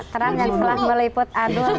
terang yang telah meliput adult